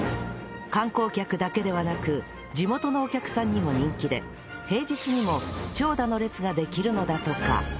観光客だけではなく地元のお客さんにも人気で平日にも長蛇の列ができるのだとか